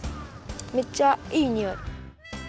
めっちゃいいにおい。